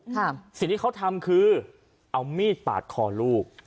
สิ่งที่เขาทำคือเอามีดปาดคอลูก